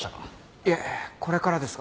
いえこれからですが。